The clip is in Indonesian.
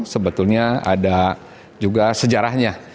sebetulnya ada juga sejarahnya